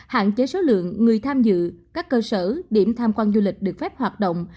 hạn chế số lượng người tham dự các cơ sở điểm tham quan du lịch được phép hoạt động